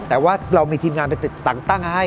แต่ว่าเรามีทีมงานไปติดตั้งให้